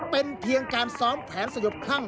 เป็นเพียงการซ้อมแผนสยบคลั่ง